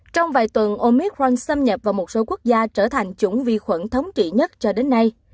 trong vài tuần omitral xâm nhập vào một số quốc gia trở thành chủng vi khuẩn thống trị nhất cho đến nay